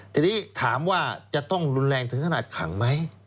ทีนี้ถามว่าจะต้องรุนแรงถึงขนาดขังไหม